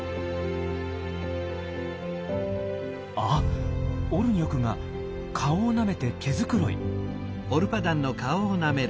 あっオルニョクが顔をなめて毛繕い。